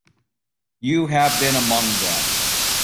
You have been among them.